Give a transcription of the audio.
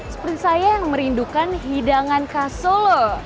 seperti saya yang merindukan hidangan khas solo